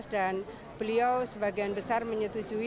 dan beliau sebagian besar menyetujui